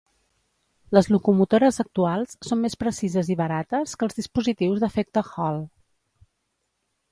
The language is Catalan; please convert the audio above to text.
Les locomotores actuals són més precises i barates que els dispositius d'efecte Hall.